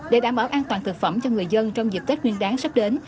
để đảm bảo an toàn thực phẩm cho người dân trong dịp tết nguyên đáng sắp đến